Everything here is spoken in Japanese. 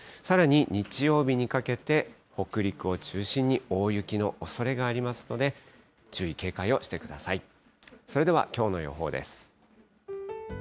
さらに日曜日にかけて、北陸を中心に大雪のおそれがありますので、注意、警戒をしてください。